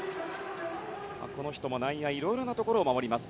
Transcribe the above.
この人も内外野いろいろなところを回ります。